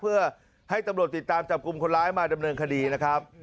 เพื่อให้ตำรวจติดตามจับกลุ่มคนร้ายมาดำเนินคดีนะครับ